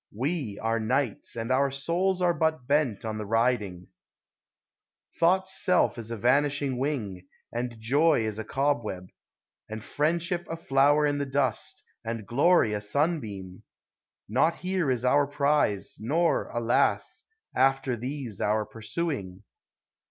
We are knights, and our souls are but bent on the riding ! Thought's self is a vanishing wing, and joy is a cob web, And friendship a flower in the dust, and glory a sunbeam : Not here is our prize, nor, alas ! after these our pursuing.